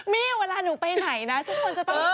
เวลาหนูไปไหนนะทุกคนจะต้อง